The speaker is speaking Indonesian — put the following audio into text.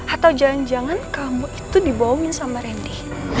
atau jangan jangan kamu itu dibohongin sama randy